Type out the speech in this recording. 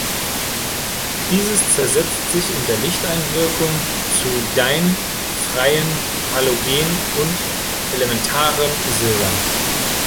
Dieses zersetzt sich unter Lichteinwirkung zu dein freien Halogen und elementarem Silber.